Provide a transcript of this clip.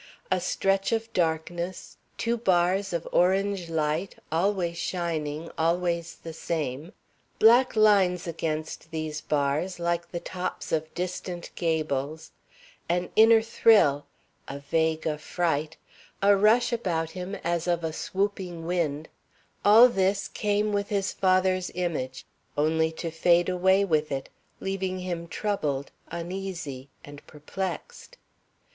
A stretch of darkness two bars of orange light, always shining, always the same black lines against these bars, like the tops of distant gables an inner thrill a vague affright a rush about him as of a swooping wind all this came with his father's image, only to fade away with it, leaving him troubled, uneasy, and perplexed.